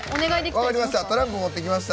分かりました。